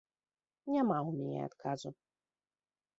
Няма ў мяне адказу.